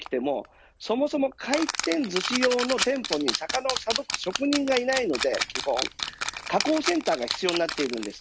実は魚を確保することができてもそもそも回転ずし用の店舗に魚をさばく職人がいないので加工センターが必要になるんです。